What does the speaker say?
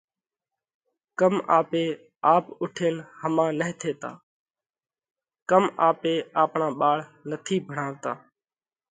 ڪم آپي آپ اُوٺينَ ۿما نه ٿيتا؟ ڪم آپي آپڻا ٻاۯ نٿِي ڀڻاوَتا؟